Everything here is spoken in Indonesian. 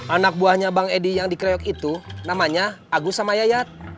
anak buahnya bang edi yang dikeroyok itu namanya agus sama yayat